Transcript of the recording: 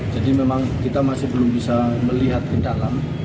jadi memang kita masih belum bisa melihat ke dalam